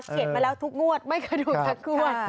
เขียนมาแล้วทุกงวดไม่เคยถูกสักงวด